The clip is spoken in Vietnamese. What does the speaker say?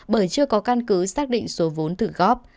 bởi chưa có căn cứ xác định số vốn thử góp